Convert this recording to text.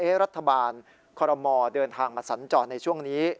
รัฐบาลคอรมอเดินทางมาสัญจรในช่วงนี้